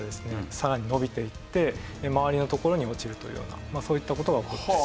さらに延びていって周りの所に落ちるというようなそういった事が起こっている。